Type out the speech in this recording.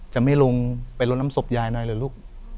จะไม่ลงไปลดน้ำศพยายหน่อยเหรอลูก